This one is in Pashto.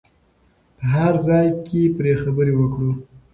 په هر ځای کې پرې خبرې وکړو.